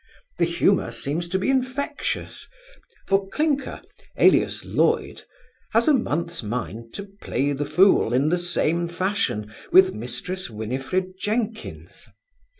The humour seems to be infectious; for Clinker, alias Loyd, has a month's mind to play the fool, in the same fashion, with Mrs Winifred Jenkins.